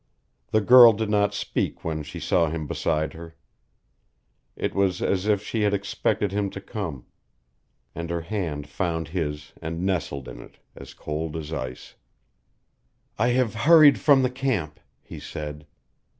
The girl did not speak when she saw him beside her. It was as if she had expected him to come, and her hand found his and nestled in it, as cold as ice. "I have hurried from the camp," he said.